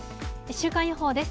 週間予報です。